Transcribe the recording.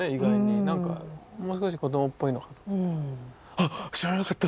あっ知らなかった！